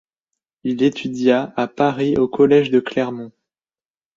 Il étudia à Paris au collège de Clermont.